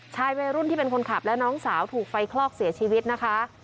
วัยรุ่นที่เป็นคนขับและน้องสาวถูกไฟคลอกเสียชีวิตนะคะ